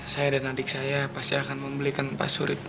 saya dan adik saya pasti akan membelikan pak surit radio